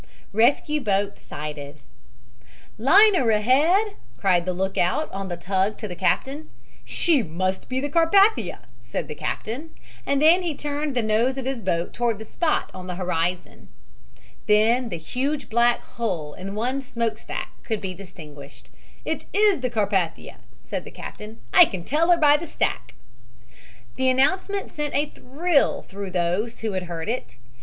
RESCUE BOAT SIGHTED "Liner ahead!" cried the lookout on the tug to the captain. "She must be the Carpathia," said the captain, and then he turned the nose of his boat toward the spot on t he horizon. Then the huge black hull and one smokestack could be distinguished. "It's the Carpathia," said the captain. "I can tell her by the stack." The announcement sent a thrill through those who heard it.